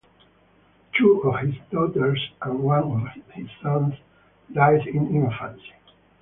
Two of his daughters and one of his sons died in infancy.